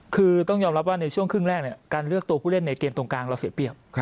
คือต้องยอมรับว่าในช่วงครึ่งแรกการเลือกตัวผู้เล่นในเกมตรงกลางเราเสียเปรียบ